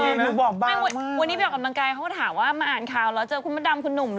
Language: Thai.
นี่หนูบอกบ้ามาก